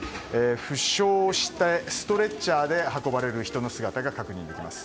負傷してストレッチャーで運ばれる人の姿が確認できます。